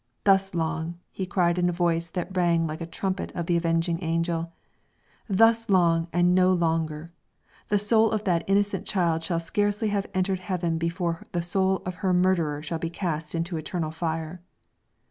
"Thus long," he cried in a voice that rang like the trumpet of the avenging angel: "Thus long, and no longer. The soul of that innocent child shall scarcely have entered heaven before the soul of her murderer shall be cast into eternal fire."